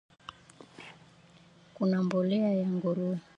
Kuna mbolea ya nguruwe